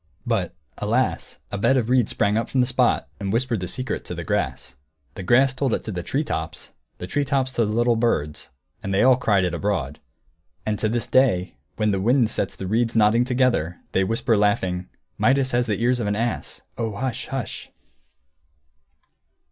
But, alas, a bed of reeds sprang up from the spot, and whispered the secret to the grass. The grass told it to the tree tops, the tree tops to the little birds, and they cried it all abroad. And to this day, when the wind sets the reeds nodding together, they whisper, laughing, "Midas has the ears of an ass! Oh, hush, hush!"